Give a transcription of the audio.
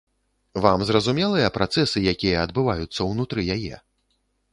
Вам зразумелыя працэсы, якія адбываюцца ўнутры яе?